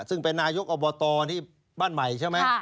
ซึ่งแต่นายยกอบตบ้านใหม่ใช่ไหม